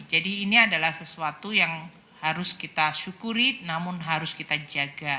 jadi ini adalah sesuatu yang harus kita syukuri namun harus kita jaga